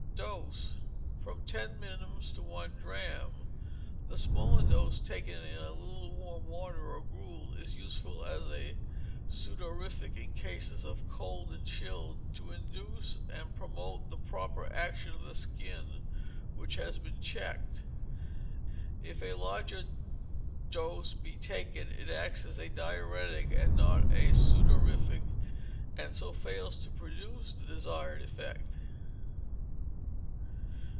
Dose, from ten minims to one drachm. The smaller dose taken in a little warm water or gruel is useful as a sudorific in cases of cold and chill, to induce and promote the proper action of the skin which has been checked. If a larger dose be taken, it acts as a diuretic and not as a sudorific, and so fails to produce the desired effect.